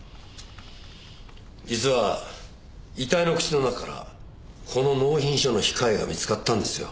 実は遺体の口の中からこの納品書の控えが見つかったんですよ。